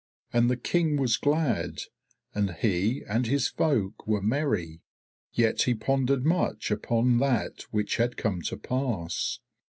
And the King was glad, and he and his folk were merry; yet he pondered much upon that which had come to pass.